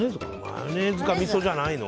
マヨネーズか、みそじゃないの。